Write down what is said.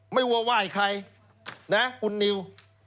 ไม่ว่าไหว้ใครนะคุณนิว